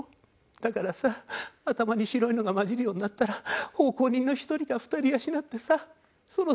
だからさ頭に白いのが交じるようになったら奉公人の１人か２人養ってさそろそろ楽しようって。